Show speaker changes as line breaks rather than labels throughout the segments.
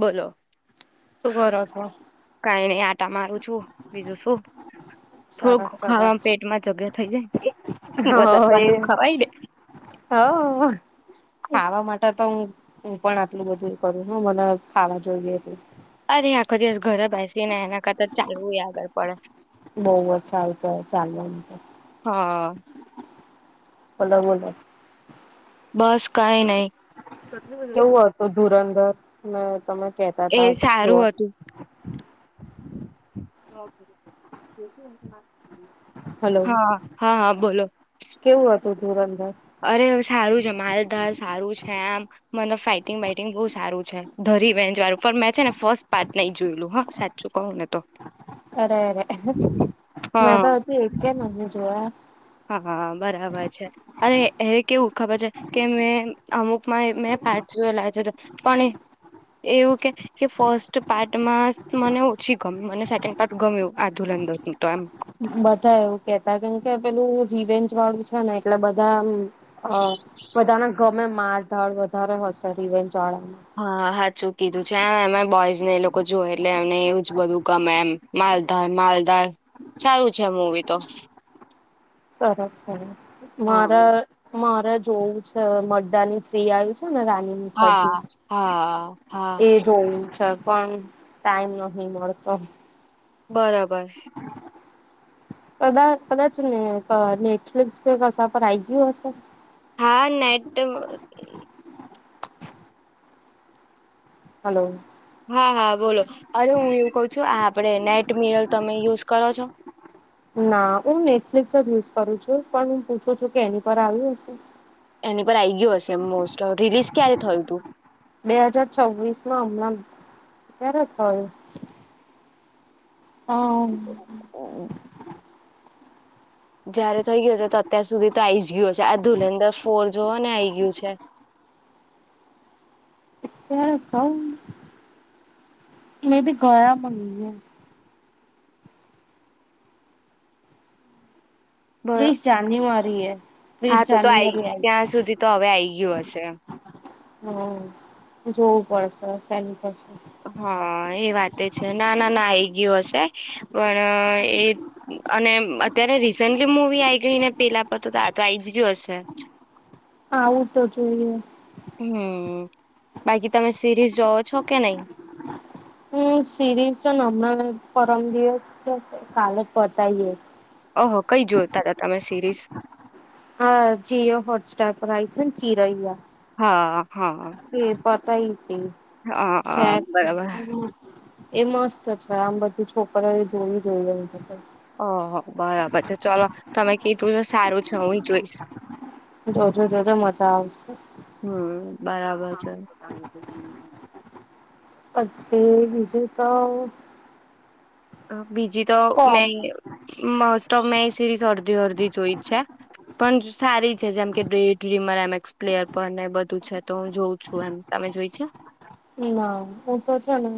બોલો.
શું કરો છો?
કાંઈ નઈ આટા મારું. હું બીજું શું?
સરસ,
થોડું ખાવા
સરસ.
પેટમાં જગ્યા થઈ જાય
હ
વધારે
એ.
પાતું ખવાય ને
હ ખાવા માટે તો હું હું પણ આટલું બધું કરું હું મને ખાવા જોઈએ એટલું.
અરે, આખો દિવસ ઘરે બેસી ને એના કરતા ચાલવુંય આવવું પડે.
બહુઅ જ સારું કેહવાય ચાલવું તો.
હા.
બોલો બોલો.
બસ કાઈ નહી.
કેવું હતું ધુરંધર? મે તમે કેતા
એ
તા
સારું
જોવા
હતું.
હલો
[inaudible] હા હા હા બોલો.
તું ધુરં
અરે સારું છે. મારે ડાર સારું છે આમ. મને ફાઈટિંગ વાઈટિંગ બહુ સારું છે ધરી બે જ વાળું પણ મેં છે ને ફર્સ્ટ પાર્ટ નહી જોયેલું હા સાચું કહું ને તો.
અરે અરે મેં
હા
તો હજી એકકે નહીં જોયા.
હા બરાબર છે. અરે એ કેવું ખબર છે કે મેં અમુકમાં માં મે પાર્ટ જોયેલા પણ એ એવું કે કે ફસ્ટ પાર્ટમાં મને ઓછી ગમી મને સેકન્ડ પાર્ટ ગમ્યું આ ધૂલંદોર ની તો એમ
બધા એવું કેતા કેમ કે પેલું રીવેન્જ વાળું છે ને એટલે બધા આમ હ બધા ના ગમે માડધાડ વધારે હોશેરી રે ચાડાના
ચુ કીધું છે એ એમાં બોયઝ ને એ લોકો જોય એટલે એમને એવું જ બધું ગમે એમ માલધાર માલધાર સારું છે મૂવી તો.
સરસ સરસ મારા
હા
મા ણે જોવું છે હવે મરદાની થ્રી આયું છ છે ને રાની મુખર્જીનું
હા હા
એ જોવું છે હ પણ ટાઈમ નથી મળતો.
બરબર.
કદા કદાચ ને ક નેટફ્લિક્સ કે કશા પર આઈ ગયું હશે?
હા નેટ
હલો.
હા, હા બોલો. અરે હું એવું કહું છું આ આપડે નેટ મિરલ તમે યુઝ કરો છો?
ના હું નેટફ્લિક્સ જ યુઝ કરું છું, પણ હું પૂછું છું કે એની પર આવ્યું હશે?
એની પર આઈ ગયું હશે મોસ્ટ. રિલીઝ ક્યારે થયું તું?
બે હજાર છવ્વીસ માં હમણાં, ક્યારે થયું? અહ
જયારે થઈ ગયો તો અત્યાર સુધી તો આઈ જ ગયું હશે. આ ધુલંધર ફોર જોવોને આઈ ગયું છે.
[inaudible] મે બી [unintelligible] ત્રીસ જાન્યુઆરી એ, ત્રીસ જાન્યુઆરીએ આયું.
ગયુ હશે એમ.
હમ્મ, જોવું પડશે શેની છે.
હા એ વાત એ છે. ના, ના, ના આઈ ગયું હશે, પણ એ અને અત્યારે રિસેન્ટલી મૂવી આઈ ગઈ ને પેલા પર તો-તો આ આઈ જ ગયું હશે.
આવું તો જોઈએ.
હમ્મ, બાકી તમે સિરીઝ જોઓ છો કે નહી?
હમ્મ, સિરીઝ છે હમણાં પરમ દિવસ છે કાલે જ પતાઇ દઈ.
ઓહો કઈ જોતા હતા તમે સિરીઝ
આ જીયો હોટ સસ્ટાર પર આવી છે ચિરૈયા.
હા. હા.
તઈ.
હા બરાબર
[unintelligible] એ મસ્ત છે આમ બધું છોકરીઓ એ જોવી જોઈએ.
ઓહો બરાબર છે ચલો, તમે કીધું છે સારું છે હું એ જોઈશ.
જો-જો, જો-જો મજા આવશે.
હમ [unintelligible]
પછી બીજું તો.
[unintelligible] બીજી તો
કોમ
મે મસ તો મેમે એ સિરીઝ અડધી અડધી જોઈ છે પણ સારી છે જેમ કે ડીડ લીમર એમક્સ પ્લેયર પણને બધું છે તો હું જોઉં છું એમ. તમે જોય છે?
ના હું તો છે ને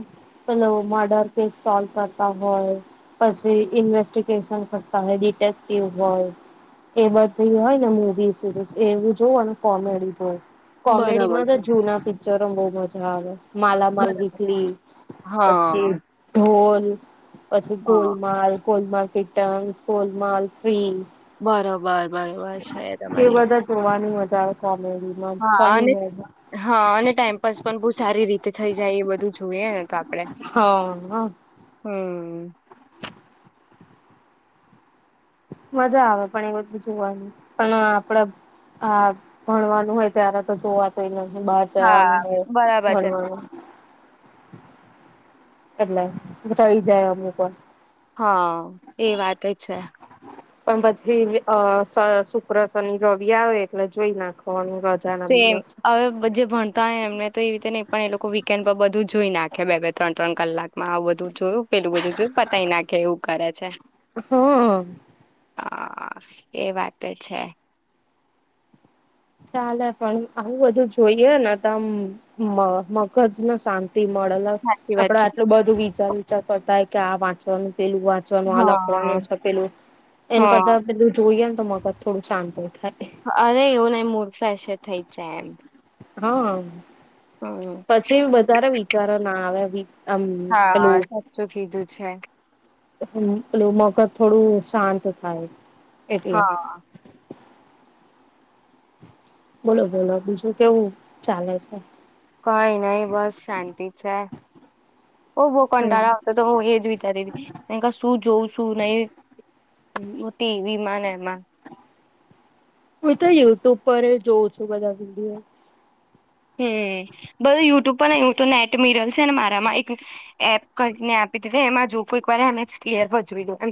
પેલો મર્ડર કેસ સોલ્વ કરતા હોય પછી ઇન્વેસ્ટિગેશન કરતા હોય ડિટેક્ટિવ હોય એ બધી હોય ને મૂવી, સિરીઝ એવું જોવું કોમેડી જોવ. કોમેડી
બરાબર
માં તો
છે
જૂના પિક્ચરો બઉ મજા હા, માલા માલ
બરાબર
વીકલી
હા
પછી બર પછી
હા
ગોલમાલ ગોલમાલ રિટર્નસ, ગોલમાલ થી
બરોબર બરોબર છે,
એ
તમારી વાત
બધા [unintelligible]
હા
ફની
અને
હોય
હા અને ટાઈમપાસ પણ પૂછ સારી રીતે થઈ જાય એ બધું જોઈએ ને તો આપ
હ
હમ
મજા આવે પણ એ બધું જોવાનું પણ આપડે આ ભણવાનું હોય ત્યારે તો જોવા તોય નહી બાર
હા
જવાનું હોય
બરાબર છે
ભણવાનું એટલે થઈ જાય અમુક વાર
હા, એ વાત છે
પણ પછી અ શુક્ર, શની, રવિ આવે એટલે જોઈ નાખવાનું રજાના
તે
દિવસ
હવે જે ભણતા હો એમને તો એ રીતે નહી પણ એ લોકો વીકેન્ડ પર બધું જોઈ નાખે બે, બે, ત્રણ, ત્રણ કલાકમાં આવુ બધું જોયું પેલું બધું જોયું, પતાય નાખે એવું કરે છે
હા
હા એ વાત છે.
ચાલે પણ આવું બધું જોઈએ ને ત મગજને શાંત મળે,
સાચી વાત
આપડે
છે
આટલું બધું વિચાર વિચાર કરતા ક્યા આ વાચવાનું. પેલું વાંચવાનું આ
હા
લખવાનું છે પેલું, એના
હા
કરતા પેલું જોઈએ ને તો મગજ થોડું શાંત થાય.
અરે એવું નઈ મૂડ ફ્રેશ થઈ જાય એમ.
હમ.
હમ
પછી વધારે વિચારો ના આવે. વી આમ
હા સાચું કીધું છે.
એટલ મગજ થોડું શાંત થાય. એટલે
હા.
બોલો બોલો બીજું કેવું ચાલે છે?
કઈ નઈ બસ શાંતિ છે. ઓ બહ કંટાળા આવતા તો હું એજ વિચારી હતી, શું જોઉું શું નહી. મોતી વિમાન એમાં.
હું તો યુટ્યુબ પર જોઉં છું બધા વિડીયો.
પણ એ તો નેટ મિરલ છે ને મારામાં એક એપ કરીને આપી દીધી એમાં જો કો એક વા ભ જોવી દ એમ.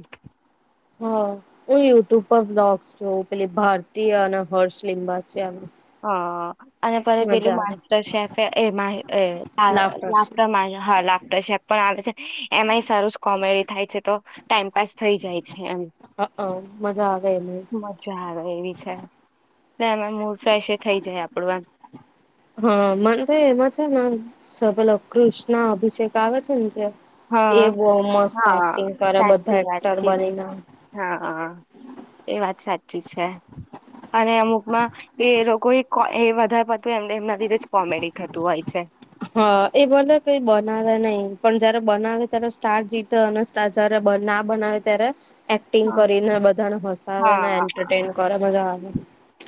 હા. હું યુટ્યુબ પર વ્લોગ્સ જોઉં પેલી ભારતી અને હર્ષ લિંબાચીયા ના.
હા અને પ પેલું માસ્ટર શેફ એ [unintelligible]
લાફ્ટર
લાફ્ટર શેફ પણ આવે છે, એમાંય સારુંસ કોમેડી થાય છે તો ટાઈમપાસ થઈ જાય છે એમ
અહં મજા આવે એમાંય.
મજા આવે એવી છે. ને એમાય [unintelligible] ફ્રેશ એય થઈ જાય આપડું એમ.
હા મને તો એમાં છે સબલ ઓફ કૃષ્ણ અભિષેક આવે છે ને જે એ
હા,
બહુ મસ્ત
હા
એક્ટિંગ કરે
સાચી
બધા
વાત
એક્ટર
કીધી,
બનીને
હા. એ વાત સાચી છે, અને અમુકમાં એ લોગો એ વધાર પડ
હા એ ભલે કઈ બનાવે નહી પણ જયારે બનાવે ત્યારે સ્ટાર જીતે, અને [unintelligible] જ્યારે ના બનાવે ત્યારે એક્ટિંગ
હા,
કરીને બધાને હસાવે ને
હા, હા.
એન્ટરટેન કરે મજા આવે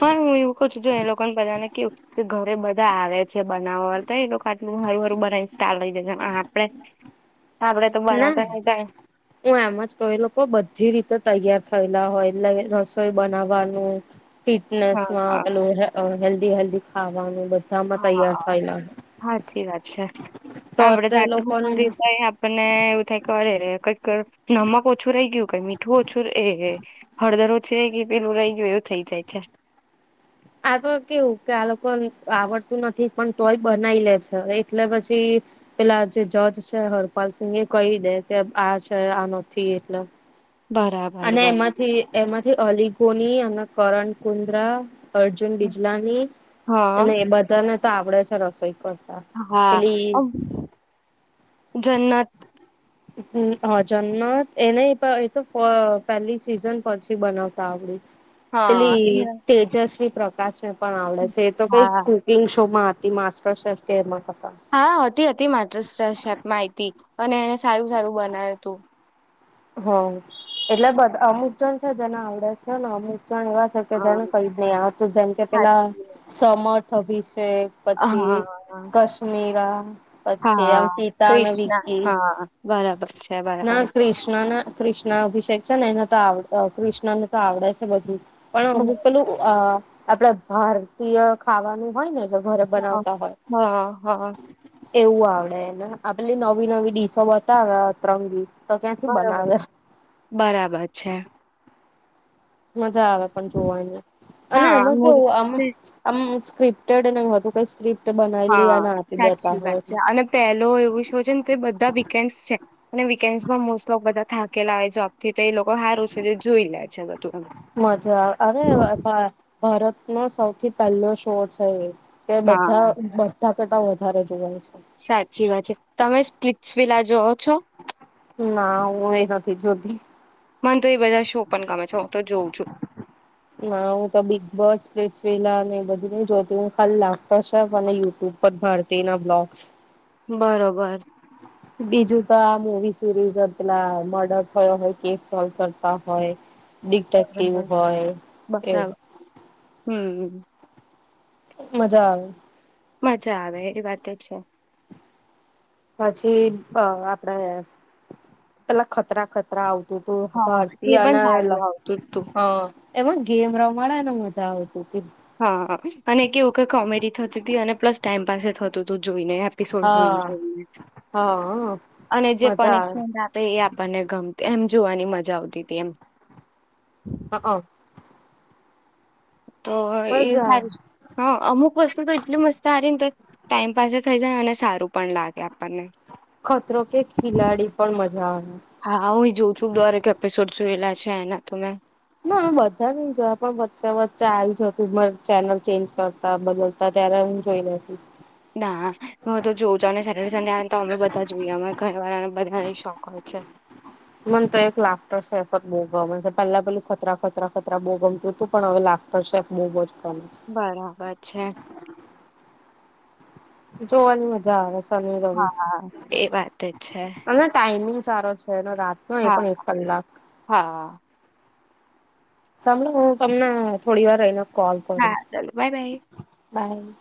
પણ હું એવું કઉં છું કે જો એ લોકોને બધાને કેવું ઘરે બ [unintelligible] જે બનાવા [unintelligible] બહું હારું-હારું બનાઈને સ્ટાર લઈ જાય ને આપડે આપડે તો
ના.
બનાતા નતા
હું એમ જ કહું એ લોકો બધી રીતે તૈયાર થયેલા હોય, એટલે રસોઈ બનાવાનું ફિટનેસ
હા
માં
હા
પેલું હેલ્ લ્દી ખાવાનું બધુ
હા, સાાચી વાત છે.
તો
હા, આપડે
એ
[unintelligible]
લોકોને
ઉપર તો આપને એવું થાય કરે કઈક નમક ઓછું રહી ગયું કઈ મીઠું ઓછું એ એ હળદર ઓછી રહી ગય પેલું રહી ગયું એવું થઇ જાય છે.
આ તો કેવું કે આ લોકો આવડતું નથી પણ તોય બનાવી લે છે એટલે પછી પેલા જે જજ છે હરપાલ સિંંગ એ કહી દે કે આ છે આ નથી એટલે
બરાબર
અને
બરાબર
એમાંથી એમાંથી અલી કોની અને કરણ કુંદ્રા અર્જુન બિજલાની
હા.
અને એ બધાને તો આવડે છે રસોઈ કર
હા, આ જન્નત
હમ્મ હા જન્નત એને એ તો પેલી સિઝન પછી બનાવતા આવડી.
હા એ
પેલી તેજસ્વી પ્રકાશને પણ આવડે છે. એ તો કઈક
હા
કુકિંગ શો માં હ તા કંઇક માસ્ટર સેફ કે એમાં. કસા
હાતી હતી. મા માહિતી એને સારું સારું બનાવ હતું.
હમ, એટલે બધા અમુક જન છે જેને આવડે છે ને ને અમુક ણ એવા છે કે
હા
જેને કઈ નહી આવતું જેમ કે પેલા
સાચી
સમ છવીસ. પછી
હા
કશ્મીરા, પછી એમ
હા
પિતા અને
ક્રિષ્ના
વકી,
હા બરાબર છે
ના
બરાબર છે
કિષ્ણ. કૃષ્ણ અભિષેક છે ને એને તો આવ કૃષ્ણ આવડે છે બધું.
હ
પણ હુ પેલું અ આપડે ભારતીય ખાવાનું હોયને જે. ઘરે બનાવતા હોય
હા હા હા.
એવું આવડેને આ પેલી નવી નવી ડીશો બતાવે અતરંગી. ક્યાંથી
બરોબર
બનાવે
બરાબર છે.
મજા આવે પણ જોવાની, અને
હા
એમાં જો
મૂર્તિ
આમ આમ સ્ક્રિપ્ટડ નઈ હતું સ્ક્રિપ્ટ બનાવેલી
હા
અને આપી દેતા
સાચી
હોય
વાત છે
એટલે
અને પેલો એવું શું છે ને તે બધા વીકેન્ડ છે. અને વીકેન્ડમાં મો બધા થાકેલા જો આપથી તે લોકો. તો હારું છે જે જોઈ લે છે બધું.
મજા આવે અરે ભા ભારતનો સૌથી પહેલો શો છે એ. કે બધા
હા
બધા કેટલા વધારે જવાય છે.
સાચી વાત છે તમે સ્પ્રિટ્સ વીલા જોઓ છો?
ના હું એ નથી જોતી.
મને તો એ બધા શો પણ ગમે છે હું તો જોઉં છું.
ના હું તો બિગ બોસ, સ્પ્રિટ્સ વીલા એ બધું ન જોતી હું ખાલી લાફ્ટર શો ને યુટ્યુબ પર ભારતી એના વિલોગ્સ.
બરોબર.
બીજું તો આ મુવી સિરીઝ પેલા મર્ડર થયો હોય કેસ સોલ્વ કરતા હોય ડીટેેક્ટિવ
બરાબર
હોય એવુ
હમ્મ.
મજા આવે.
મજા આવે એ વાતે છે.
પછી આપડે પેલા ખતરા ખતરા આવ તું
હા
ભારતી
એ પણ
આના
સારું
એલા.
આવતું જ તું
હા એમાં ગેમ રમાડે એને મજા આવતીતી.
હા, અને એ વખત કોમેડી થતી હતી અને પ્લસ ટાઈમ પાસે થતુંતું. જોઈને એપિસોડ જોઈ
હા હા
[unintelligible] અને જે
મજા
પનિશમેન્ટ આપે એ આપણને ગમતી એમ જોવાની મજા જાવતી તી એમ.
હઅ.
તો એ
આવે
સારી છે. હા અમુક વસ્તુ તો એટલી મસ્ત હારી ને તે ટાઈમ પાસે થઇ જાય અને સારું પણ લાગે આપણને.
ખતરો કે ખિલાડી પણ મજા આવે.
હા, હું એ જોઉં છું દરેક એપિસોડ. જોયેલા છે એના તો મેં.
ના બધા નહી જોયા પણ વચ્ચે વચ્ચા આવી જતું મ ચેનલ ચેન્જ કરતા બદલતા ત્યારે હું જોઈ લેતી.
ના હું તો જોઉં છું અને સેટરડે સન્ડે આવે ને તો અમે બધા જોઈએ અમે ઘરવાળાને બધાને શોખ હોય છે
મને તો એક લાસ્ટર શેફ અજ બહુ ગમે છે. પેલા પેલું ખતરા ખતરા ખતરા બહુ ગમતું તું પણ હવે લાસ્ટર શેફ બહુ અજ
બરાબર છે.
જોવાની મજા આવેશ
હા હા એ વાત તે છે.
અને ટાઈમિંગ સારો છ છે એનો રાત નો એ
હા
પણ એક કલાક.
હા
સાંભળો હું તમને થોડી વાર રહીને કોલ કરું
હા, ચલો બાય બાય.
બાય.